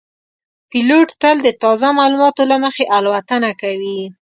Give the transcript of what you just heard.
پیلوټ تل د تازه معلوماتو له مخې الوتنه کوي.